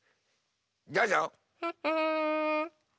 どうぞ。